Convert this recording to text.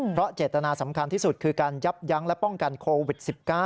เพราะเจตนาสำคัญที่สุดคือการยับยั้งและป้องกันโควิด๑๙